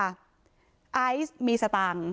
ไอซ์มีสตั่ง